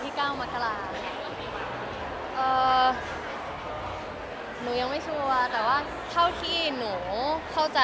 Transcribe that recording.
นี่ค่ะอยากบอกอะไรกับคนที่มา